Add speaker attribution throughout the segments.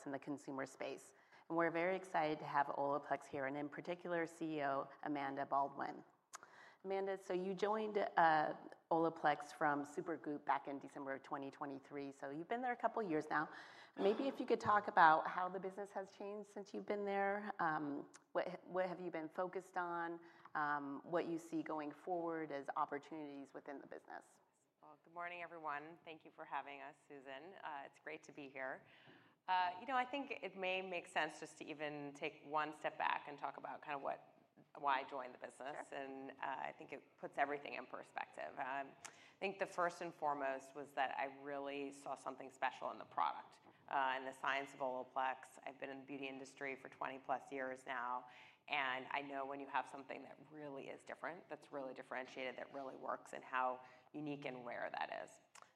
Speaker 1: Analysts in the consumer space. We are very excited to have OLAPLEX here, and in particular CEO Amanda Baldwin. Amanda, you joined OLAPLEX from Supergoop back in December, 2023. You have been there a couple of years now. Maybe if you could talk about how the business has changed since you have been there, what you have been focused on, what you see going forward as opportunities within the business?
Speaker 2: Good morning everyone. Thank you for having us, Susan. It's great to be here. I think it may make sense just to even take one step back and talk about kind of what, why I joined the business. I think it puts everything in perspective. I think the first and foremost was that I really saw something special in the product, and the science of OLAPLEX. I've been in the beauty industry for 20+ years now, and I know when you have something that really is different, that's really differentiated, that really works and how unique and rare that is.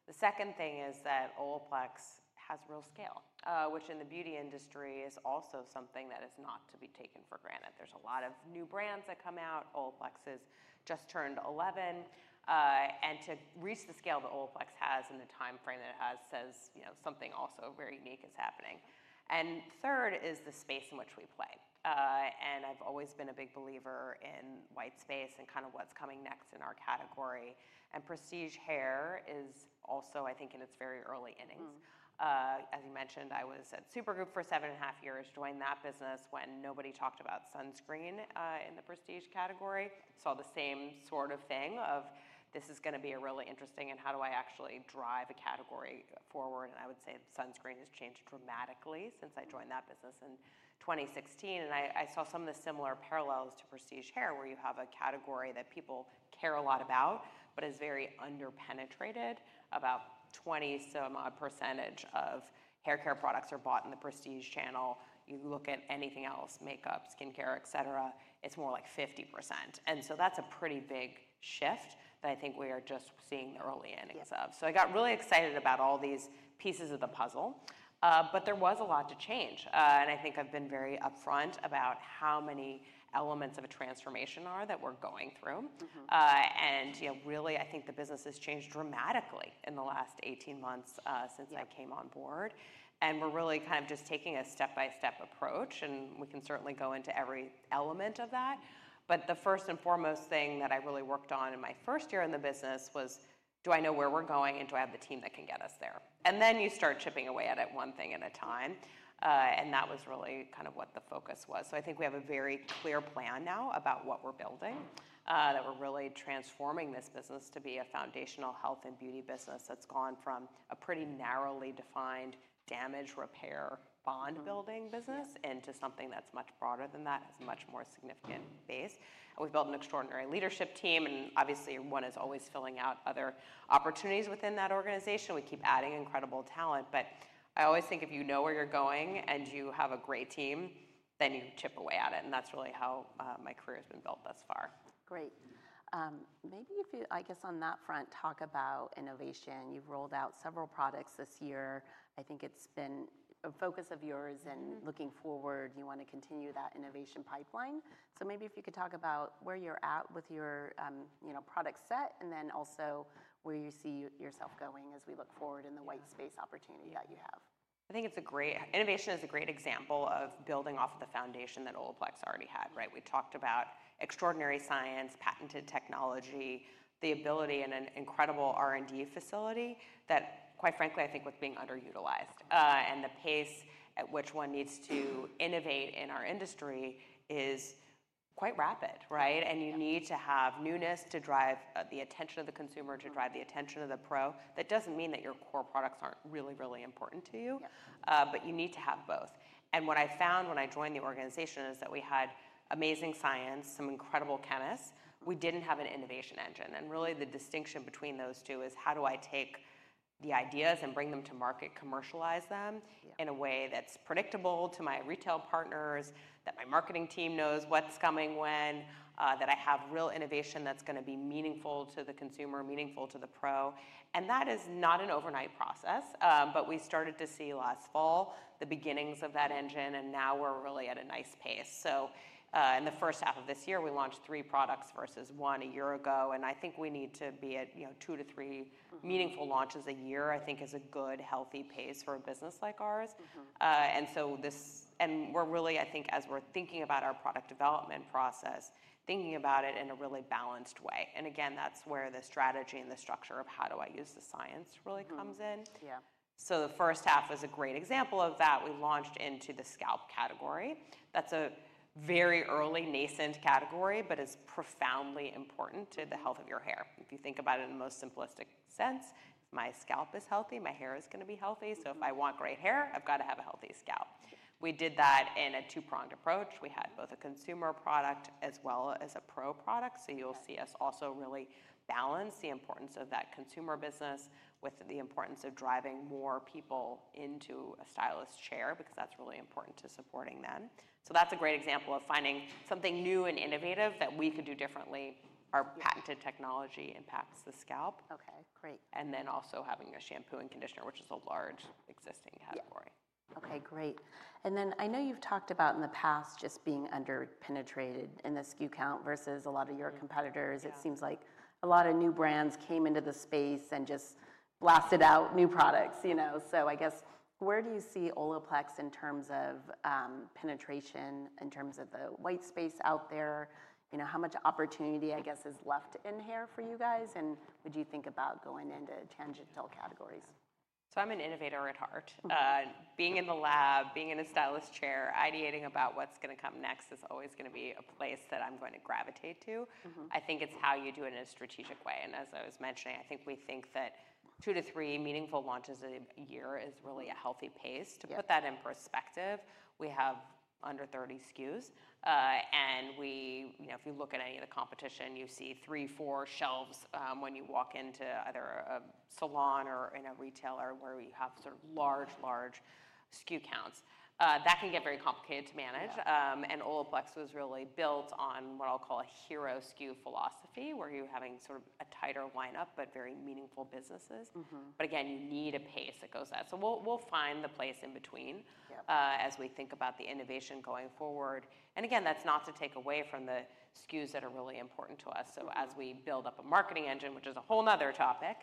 Speaker 2: The second thing is that OLAPLEX has real scale, which in the beauty industry is also something that is not to be taken for granted. There's a lot of new brands that come out. OLAPLEX has just turned 11, and to reach the scale that OLAPLEX has in the timeframe that it has says something also very unique is happening. Third is the space in which we play. I've always been a big believer in white space and kind of what's coming next in our category. Prestige hair is also, I think, in its very early innings. As you mentioned, I was at Supergoop for seven and a half years, joined that business when nobody talked about sunscreen in the prestige category. Saw the same sort of thing of this is going to be really interesting and how do I actually drive a category forward. I would say sunscreen has changed dramatically since I joined that business in 2016. I saw some of the similar parallels to prestige hair where you have a category that people care a lot about, but is very underpenetrated. About 20% some odd percentage of hair care products are bought in the prestige channel. You look at anything else, makeup, skincare, et cetera, it's more like 50%. That's a pretty big shift that I think we are just seeing the early innings of. I got really excited about all these pieces of the puzzle, but there was a lot to change. I think I've been very upfront about how many elements of a transformation are that we're going through. I think the business has changed dramatically in the last 18 months, since I came on board. We're really kind of just taking a step-by-step approach and we can certainly go into every element of that. The first and foremost thing that I really worked on in my first year in the business was, do I know where we're going and do I have the team that can get us there? You start chipping away at it one thing at a time. That was really kind of what the focus was. I think we have a very clear plan now about what we're building, that we're really transforming this business to be a foundational health and beauty business that's gone from a pretty narrowly defined damage repair bond-building business into something that's much broader than that, has a much more significant base. We've built an extraordinary leadership team, and obviously one is always filling out other opportunities within that organization. We keep adding incredible talent, but I always think if you know where you're going and you have a great team, then you chip away at it. That's really how my career has been built thus far.
Speaker 1: Great. Maybe if you, I guess on that front, talk about innovation. You've rolled out several products this year. I think it's been a focus of yours, and looking forward, you want to continue that innovation pipeline. If you could talk about where you're at with your product set and then also where you see yourself going as we look forward in the white space opportunity that you have.
Speaker 2: I think it's a great, innovation is a great example of building off of the foundation that OLAPLEX already had, right? We talked about extraordinary science, patented technology, the ability and an incredible R&D facility that, quite frankly, I think was being underutilized. The pace at which one needs to innovate in our industry is quite rapid, right? You need to have newness to drive the attention of the consumer, to drive the attention of the pro. That doesn't mean that your core products aren't really, really important to you, but you need to have both. What I found when I joined the organization is that we had amazing science, some incredible chemists. We didn't have an innovation engine. Really, the distinction between those two is how do I take the ideas and bring them to market, commercialize them in a way that's predictable to my retail partners, that my marketing team knows what's coming when, that I have real innovation that's going to be meaningful to the consumer, meaningful to the pro. That is not an overnight process, but we started to see last fall the beginnings of that engine and now we're really at a nice pace. In the first half of this year, we launched three products versus one a year ago. I think we need to be at, you know, two to three meaningful launches a year, I think is a good, healthy pace for a business like ours. We're really, I think, as we're thinking about our product development process, thinking about it in a really balanced way. Again, that's where the strategy and the structure of how do I use the science really comes in.
Speaker 1: Yeah.
Speaker 2: The first half is a great example of that. We launched into the scalp category. That's a very early nascent category, but it's profoundly important to the health of your hair. If you think about it in the most simplistic sense, my scalp is healthy, my hair is going to be healthy. If I want great hair, I've got to have a healthy scalp. We did that in a two-pronged approach. We had both a consumer product as well as a pro product. You'll see us also really balance the importance of that consumer business with the importance of driving more people into a stylist's chair because that's really important to supporting them. That's a great example of finding something new and innovative that we could do differently. Our technology impacts the scalp.
Speaker 1: Okay, great.
Speaker 2: Having the shampoo and conditioner, which is a large existing category.
Speaker 1: Okay, great. I know you've talked about in the past just being underpenetrated in the SKU count versus a lot of your competitors. It seems like a lot of new brands came into the space and just blasted out new products, you know. I guess where do you see OLAPLEX in terms of penetration, in terms of the white space out there? How much opportunity, I guess, is left in hair for you guys? Would you think about going into tangential categories?
Speaker 2: I'm an innovator at heart. Being in the lab, being in a stylist's chair, ideating about what's going to come next is always going to be a place that I'm going to gravitate to. I think it's how you do it in a strategic way. As I was mentioning, I think we think that two to three meaningful launches a year is really a healthy pace. To put that in perspective, we have under 30 SKUs. If you look at any of the competition, you see three, four shelves when you walk into either a salon or in a retailer where we have sort of large, large SKU counts. That can get very complicated to manage. OLAPLEX was really built on what I'll call a hero SKU philosophy where you're having sort of a tighter lineup, but very meaningful businesses. You need a pace that goes with that. We'll find the place in between as we think about the innovation going forward. That's not to take away from the SKUs that are really important to us. As we build up a marketing engine, which is a whole other topic,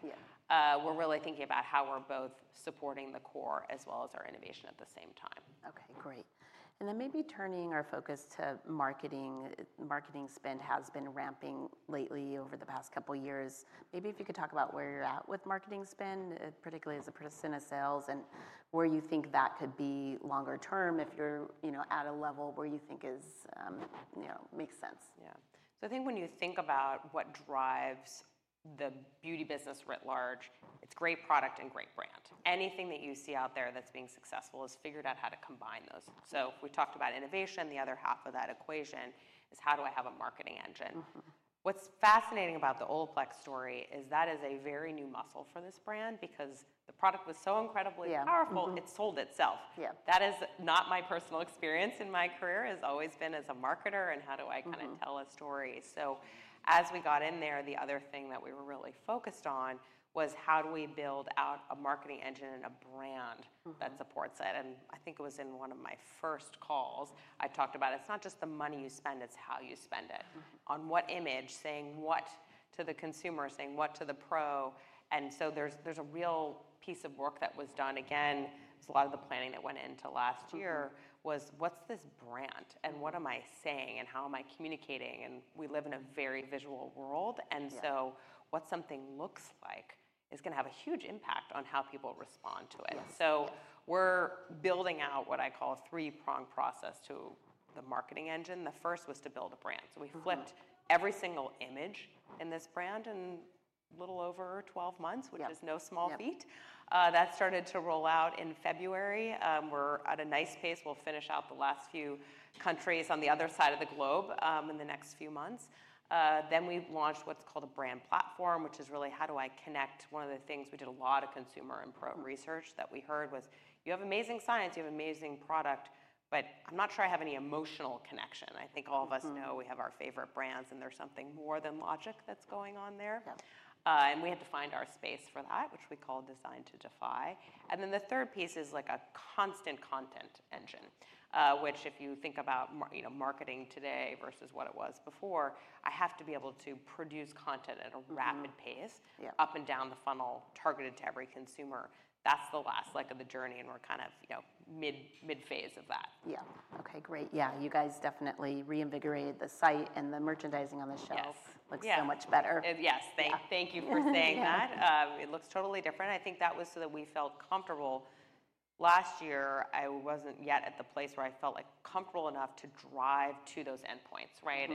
Speaker 2: we're really thinking about how we're both supporting the core as well as our innovation at the same time.
Speaker 1: Okay, great. Maybe turning our focus to marketing. Marketing spend has been ramping lately over the past couple of years. Maybe if you could talk about where you're at with marketing spend, particularly as a percent of sales and where you think that could be longer term if you're at a level where you think is, you know, makes sense.
Speaker 2: Yeah. I think when you think about what drives the beauty business writ large, it's great product and great brand. Anything that you see out there that's being successful has figured out how to combine those. If we talked about innovation, the other half of that equation is how do I have a marketing engine? What's fascinating about the OLAPLEX story is that is a very new muscle for this brand because the product was so incredibly powerful, it sold itself. That is not my personal experience in my career, has always been as a marketer and how do I kind of tell a story. As we got in there, the other thing that we were really focused on was how do we build out a marketing engine and a brand that supports it. I think it was in one of my first calls I talked about, it's not just the money you spend, it's how you spend it. On what image, saying what to the consumer, saying what to the pro. There's a real piece of work that was done. A lot of the planning that went into last year was what's this brand and what am I saying and how am I communicating? We live in a very visual world. What something looks like is going to have a huge impact on how people respond to it. We're building out what I call a three-pronged process to the marketing engine. The first was to build a brand. We flipped every single image in this brand in a little over 12 months, which is no small [feat]. That started to roll out in February. We're at a nice pace. We'll finish out the last few countries on the other side of the globe in the next few months. We launched what's called a brand platform, which is really how do I connect. One of the things we did a lot of consumer and pro research that we heard was you have amazing science, you have amazing product, but I'm not sure I have any emotional connection. I think all of us know we have our favorite brands and there's something more than logic that's going on there. We had to find our space for that, which we call Designed to Defy. The third piece is like a constant content engine, which if you think about marketing today versus what it was before, I have to be able to produce content at a rapid pace, up and down the funnel, targeted to every consumer. That's the last leg of the journey and we're kind of mid-phase of that.
Speaker 1: Yeah. Okay, great. You guys definitely reinvigorated the site, and the merchandising on the shelf looks so much better.
Speaker 2: Yes, thank you for saying that. It looks totally different. I think that was so that we felt comfortable. Last year, I wasn't yet at the place where I felt like comfortable enough to drive to those endpoints, right?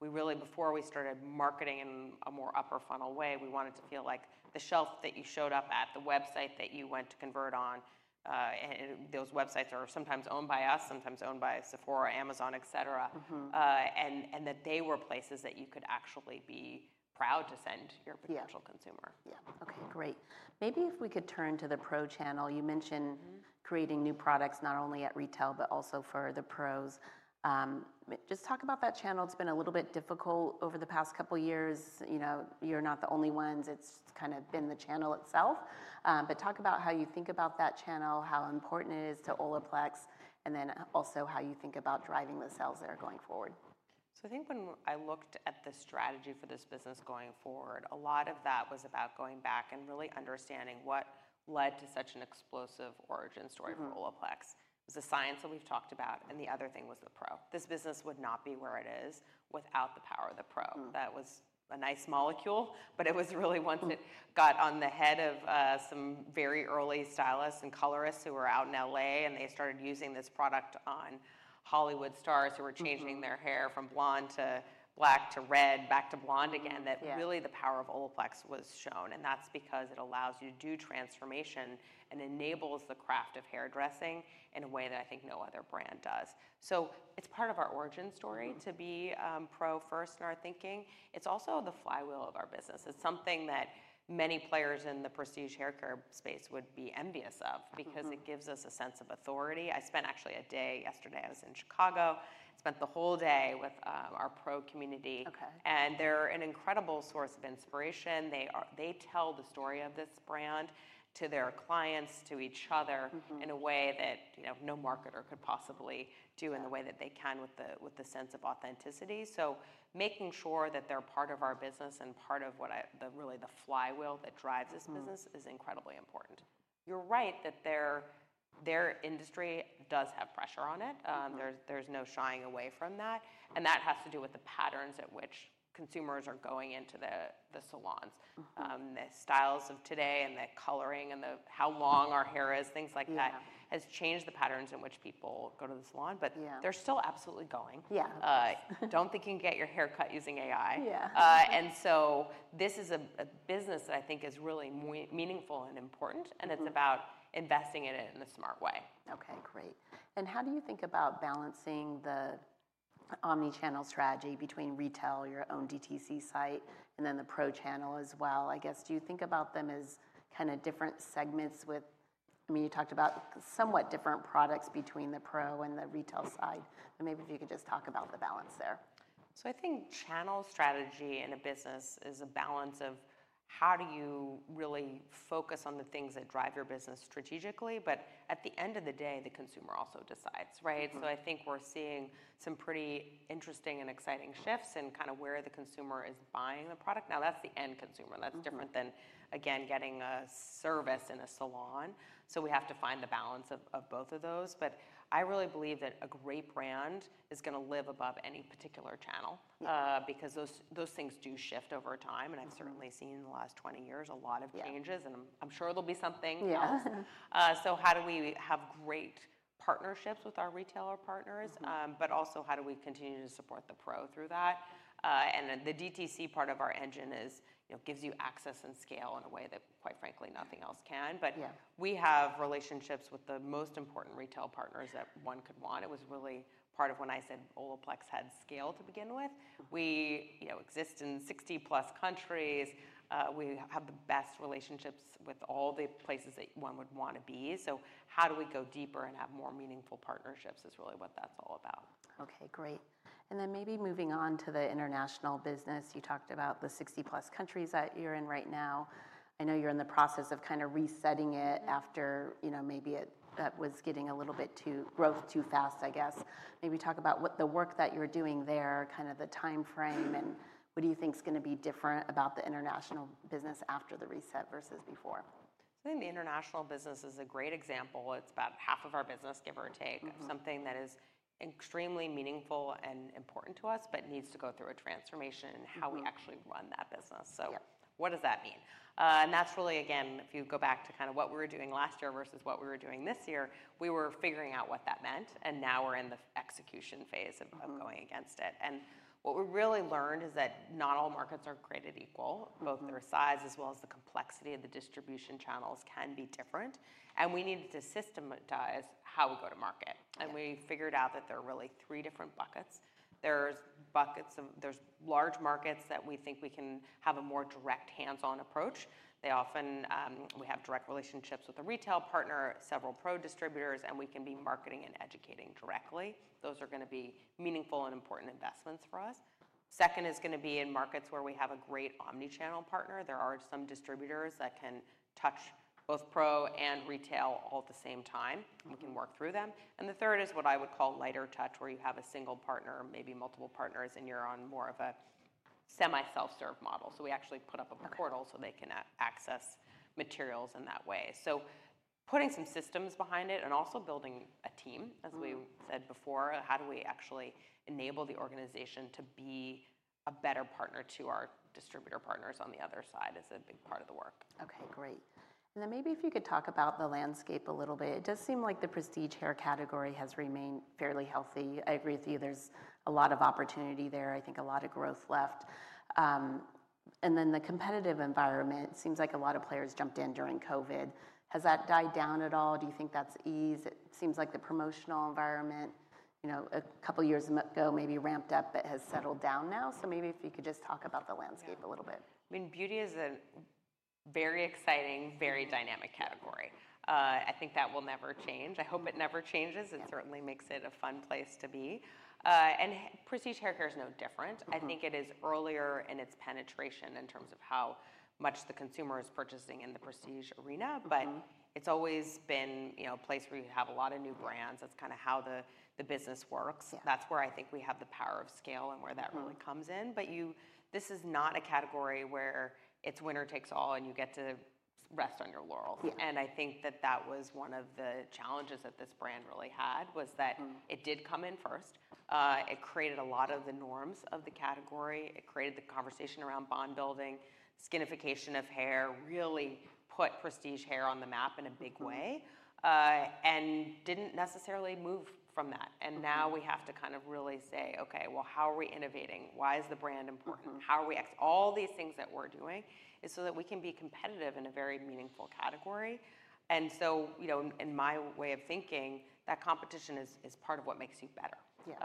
Speaker 2: We really, before we started marketing in a more upper funnel way, wanted to feel like the shelf that you showed up at, the website that you went to convert on, and those websites are sometimes owned by us, sometimes owned by [Sephora], Amazon, etc., were places that you could actually be proud to send your potential consumer.
Speaker 1: Yeah. Okay, great. Maybe if we could turn to the pro channel. You mentioned creating new products not only at retail, but also for the pros. Just talk about that channel. It's been a little bit difficult over the past couple of years. You know, you're not the only ones. It's kind of in the channel itself. Talk about how you think about that channel, how important it is to OLAPLEX, and then also how you think about driving the sales that are going forward.
Speaker 2: I think when I looked at the strategy for this business going forward, a lot of that was about going back and really understanding what led to such an explosive origin story for Olaplex. It was the science that we've talked about, and the other thing was the pro. This business would not be where it is without the power of the pro. That was a nice molecule, but it was really one that got on the head of some very early stylists and colorists who were out in LA, and they started using this product on Hollywood stars who were changing their hair from blonde to black to red, back to blonde again. That really showed the power of OLAPLEX. That's because it allows you to do transformation and enables the craft of hairdressing in a way that I think no other brand does. It's part of our origin story to be pro first in our thinking. It's also the flywheel of our business. It's something that many players in the prestige hair care space would be envious of because it gives us a sense of authority. I spent a day yesterday, I was in Chicago, spent the whole day with our pro community. They're an incredible source of inspiration. They tell the story of this brand to their clients, to each other in a way that no marketer could possibly do in the way that they can with the sense of authenticity. Making sure that they're part of our business and part of what the flywheel that drives this business is incredibly important. You're right that their industry does have pressure on it. There's no shying away from that. That has to do with the patterns at which consumers are going into the salons. The styles of today and the coloring and how long our hair is, things like that, has changed the patterns in which people go to the salon, but they're still absolutely going.
Speaker 1: Yeah.
Speaker 2: Don't think you can get your hair cut using AI.
Speaker 1: Yeah.
Speaker 2: This is a business that I think is really meaningful and important, and it's about investing in it in a smart way.
Speaker 1: Okay, great. How do you think about balancing the omnichannel strategy between retail, your own direct-to-consumer site, and the pro channel as well? Do you think about them as kind of different segments with, I mean, you talked about somewhat different products between the pro and the retail side, but maybe if you could just talk about the balance there.
Speaker 2: I think channel strategy in a business is a balance of how do you really focus on the things that drive your business strategically, but at the end of the day, the consumer also decides, right? I think we're seeing some pretty interesting and exciting shifts in kind of where the consumer is buying the product. Now that's the end consumer. That's different than, again, getting a service in a salon. We have to find the balance of both of those. I really believe that a great brand is going to live above any particular channel, because those things do shift over time. I've certainly seen in the last 20 years a lot of changes, and I'm sure there'll be something.
Speaker 1: Yeah.
Speaker 2: How do we have great partnerships with our retailer partners, but also how do we continue to support the pro through that? The DTC part of our engine gives you access and scale in a way that, quite frankly, nothing else can. We have relationships with the most important retail partners that one could want. It was really part of when I said OLAPLEX had scale to begin with. We exist in 60+ countries. We have the best relationships with all the places that one would want to be. How do we go deeper and have more meaningful partnerships is really what that's all about.
Speaker 1: Okay, great. Maybe moving on to the international business, you talked about the 60+ countries that you're in right now. I know you're in the process of kind of resetting it after, you know, maybe it was getting a little bit too growth too fast, I guess. Maybe talk about the work that you're doing there, kind of the timeframe, and what you think is going to be different about the international business after the reset versus before?
Speaker 2: I think the international business is a great example. It's about half of our business, give or take, of something that is extremely meaningful and important to us, but needs to go through a transformation in how we actually run that business. What does that mean? If you go back to kind of what we were doing last year versus what we were doing this year, we were figuring out what that meant. Now we're in the execution phase of going against it. What we really learned is that not all markets are created equal, both their size as well as the complexity of the distribution channels can be different. We needed to systematize how we go to market. We figured out that there are really three different buckets. There's buckets of large markets that we think we can have a more direct hands-on approach. They often, we have direct relationships with a retail partner, several pro distributors, and we can be marketing and educating directly. Those are going to be meaningful and important investments for us. Second is going to be in markets where we have a great omnichannel partner. There are some distributors that can touch both pro and retail all at the same time. We can work through them. The third is what I would call lighter touch, where you have a single partner, maybe multiple partners, and you're on more of a semi-self-serve model. We actually put up a portal so they can access materials in that way. Putting some systems behind it and also building a team, as we said before, how do we actually enable the organization to be a better partner to our distributor partners on the other side is a big part of the work.
Speaker 1: Okay, great. Maybe if you could talk about the landscape a little bit, it does seem like the prestige hair category has remained fairly healthy. I agree with you. There's a lot of opportunity there. I think a lot of growth left. The competitive environment, it seems like a lot of players jumped in during COVID. Has that died down at all? Do you think that's eased? It seems like the promotional environment a couple of years ago maybe ramped up, but has settled down now. Maybe if you could just talk about the landscape a little bit.
Speaker 2: I mean, beauty is a very exciting, very dynamic category. I think that will never change. I hope it never changes. It certainly makes it a fun place to be, and prestige hair care is no different. I think it is earlier in its penetration in terms of how much the consumer is purchasing in the prestige arena, but it's always been, you know, a place where you have a lot of new brands. That's kind of how the business works. That's where I think we have the power of scale and where that really comes in. This is not a category where it's winner takes all and you get to rest on your [laurel]. I think that that was one of the challenges that this brand really had was that it did come in first. It created a lot of the norms of the category. It created the conversation around bond-building, skinification of hair, really put prestige hair on the map in a big way, and didn't necessarily move from that. Now we have to kind of really say, okay, well, how are we innovating? Why is the brand important? How are we exiting all these things that we're doing? It's so that we can be competitive in a very meaningful category. In my way of thinking, that competition is part of what makes you better,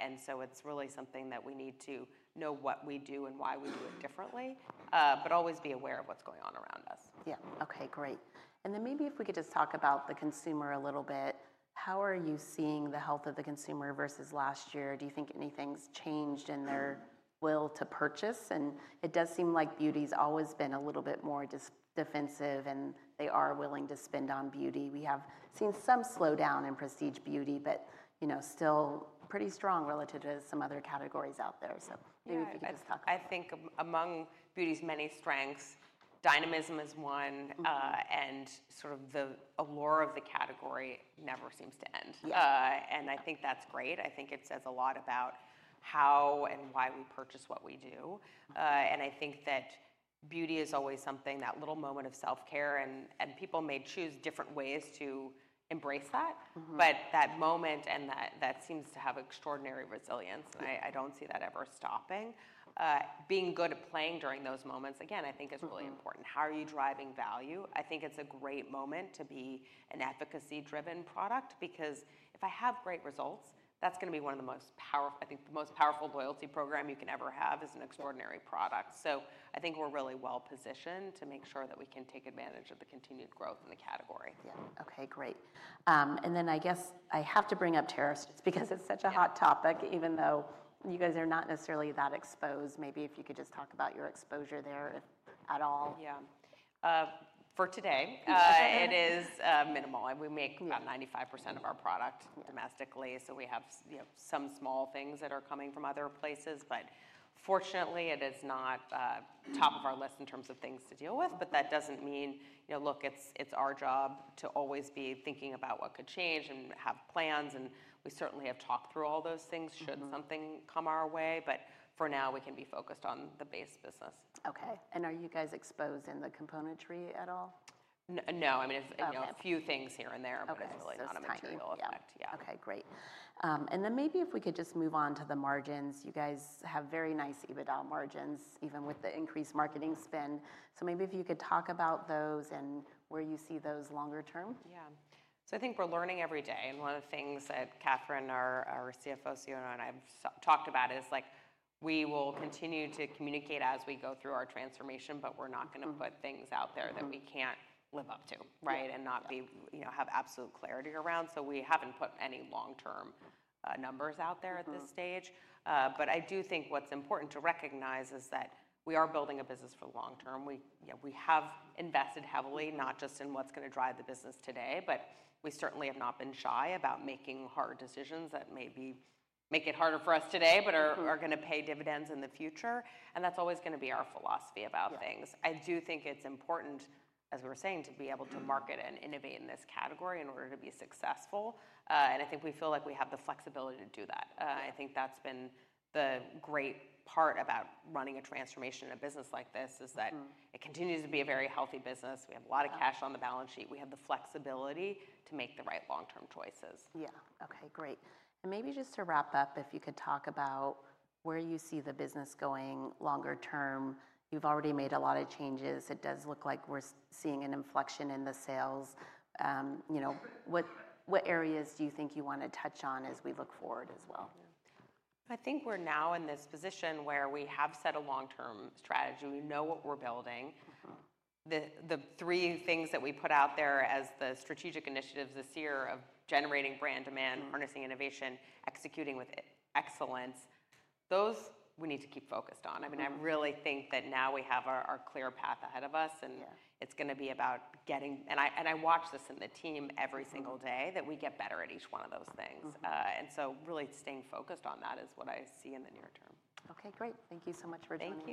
Speaker 2: and so it's really something that we need to know what we do and why we do it differently, but always be aware of what's going on around us.
Speaker 1: Okay, great. Maybe if we could just talk about the consumer a little bit, how are you seeing the health of the consumer versus last year? Do you think anything's changed in their will to purchase? It does seem like beauty's always been a little bit more defensive and they are willing to spend on beauty. We have seen some slowdown in prestige beauty, but still pretty strong relative to some other categories out there. Maybe if you could just talk.
Speaker 2: I think among beauty's many strengths, dynamism is one, and the allure of the category never seems to end. I think that's great. I think it says a lot about how and why we purchase what we do. I think that beauty is always something, that little moment of self-care, and people may choose different ways to embrace that, but that moment seems to have extraordinary resilience. I don't see that ever stopping. Being good at playing during those moments, I think is really important. How are you driving value? I think it's a great moment to be an efficacy-driven product because if I have great results, that's going to be one of the most powerful, I think the most powerful loyalty program you can ever have is an extraordinary product. I think we're really well positioned to make sure that we can take advantage of the continued growth in the category.
Speaker 1: Yeah. Okay, great. I guess I have to bring up tariffs because it's such a hot topic, even though you guys are not necessarily that exposed. Maybe if you could just talk about your exposure there at all.
Speaker 2: Yeah, for today, it is minimal. We make about 95% of our product domestically. We have some small things that are coming from other places, but fortunately it is not top of our list in terms of things to deal with. That doesn't mean, you know, look, it's our job to always be thinking about what could change and have plans. We certainly have talked through all those things should something come our way. For now, we can be focused on the base business.
Speaker 1: Okay. Are you guys exposed in the componentry at all?
Speaker 2: No, I mean, it's a few things here and there, but it's not a major deal.
Speaker 1: Yeah. Okay, great. Maybe if we could just move on to the margins. You guys have very nice EBITDA margins, even with the increased marketing spend. Maybe if you could talk about those and where you see those longer term.
Speaker 2: Yeah. I think we're learning every day. One of the things that Catherine, our CFO, and I have talked about is we will continue to communicate as we go through our transformation, but we're not going to put things out there that we can't live up to, right? Not be, you know, have absolute clarity around. We haven't put any long-term numbers out there at this stage. I do think what's important to recognize is that we are building a business for the long term. We have invested heavily, not just in what's going to drive the business today, but we certainly have not been shy about making hard decisions that maybe make it harder for us today, but are going to pay dividends in the future. That's always going to be our philosophy about things. I do think it's important, as we were saying, to be able to market and innovate in this category in order to be successful. I think we feel like we have the flexibility to do that. I think that's been the great part about running a transformation in a business like this, it continues to be a very healthy business. We have a lot of cash on the balance sheet. We have the flexibility to make the right long-term choices.
Speaker 1: Okay, great. Maybe just to wrap up, if you could talk about where you see the business going longer term. You've already made a lot of changes. It does look like we're seeing an inflection in the sales. What areas do you think you want to touch on as we look forward as well?
Speaker 2: I think we're now in this position where we have set a long-term strategy. We know what we're building. The three things that we put out there as the strategic initiatives this year of generating brand demand, harnessing innovation, executing with excellence, those we need to keep focused on. I really think that now we have our clear path ahead of us and it's going to be about getting, and I watch this in the team every single day, that we get better at each one of those things. Really staying focused on that is what I see in the near term.
Speaker 1: Okay, great. Thank you so much for taking.